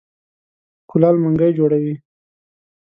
کولال منګی جوړوي.